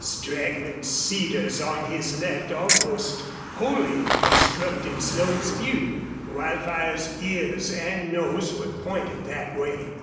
Straggling cedars on his left almost wholly obstructed Slone's view. Wildfire's ears and nose were pointed that way.